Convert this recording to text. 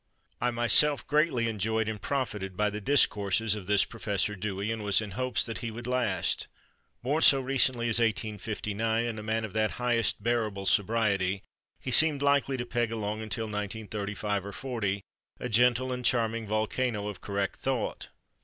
I myself greatly enjoyed and profited by the discourses of this Prof. Dewey and was in hopes that he would last. Born so recently as 1859 and a man of the highest bearable sobriety, he seemed likely to peg along until 1935 or 1940, a gentle and charming volcano of correct thought.